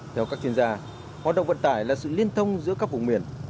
theo các chuyên gia hoạt động vận tải là sự liên thông giữa các vùng miền